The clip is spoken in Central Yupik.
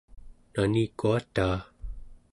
nanikuataa